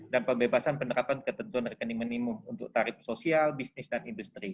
dan pembebasan penerapan ketentuan rekening minimum untuk tarif sosial bisnis dan industri